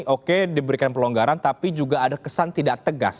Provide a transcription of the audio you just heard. oke diberikan pelonggaran tapi juga ada kesan tidak tegas